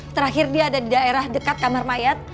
terakhir dia ada di daerah dekat kamar mayat